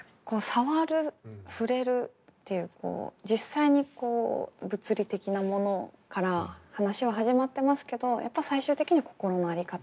さわるふれるっていう実際に物理的なものから話は始まってますけどやっぱ最終的には心の在り方。